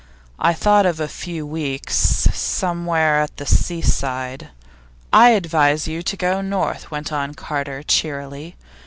'I thought of a few weeks somewhere at the seaside.' 'I advise you to go north,' went on Carter cheerily.